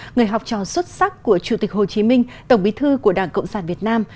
người học trò xuất sắc của chủ tịch hồ chí minh tổng bí thư của đảng cộng sản việt nam